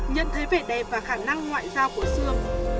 nhận thấy vẻ đẹp và khả năng ngoại giao của xương